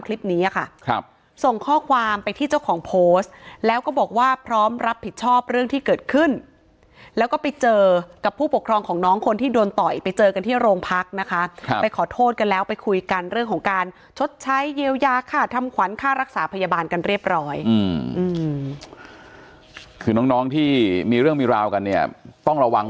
ค่ะครับส่งข้อความไปที่เจ้าของโพสต์แล้วก็บอกว่าพร้อมรับผิดชอบเรื่องที่เกิดขึ้นแล้วก็ไปเจอกับผู้ปกครองของน้องคนที่โดนต่อยไปเจอกันที่โรงพักนะคะครับไปขอโทษกันแล้วไปคุยกันเรื่องของการชดใช้เยียวยาค่าทำขวัญค่ารักษาพยาบาลกันเรียบร้อยอืมคือน้องน้องที่มีเรื่องมีราวกันเนี่ยต้องระวัง